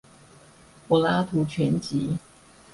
柏拉圖全集